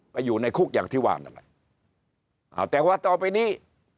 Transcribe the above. อยู่ในคุกอย่างที่ว่านั่นแหละอ่าแต่ว่าต่อไปนี้